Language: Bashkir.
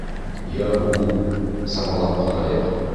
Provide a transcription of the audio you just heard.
Йә һуң, самалап ҡарайыҡ.